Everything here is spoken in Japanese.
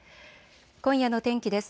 今夜の天気です。